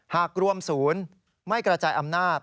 หากรวมศูนย์ไม่กระจายอำนาจ